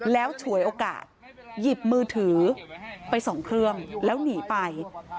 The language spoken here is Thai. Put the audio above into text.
แล้วฉวยโอกาสหยิบมือถือไปสองเครื่องแล้วหนีไป